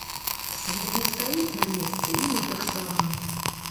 Свет не стаіць на месцы, і мы таксама.